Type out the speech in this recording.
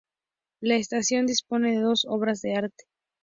La estación dispone de dos obras de arte.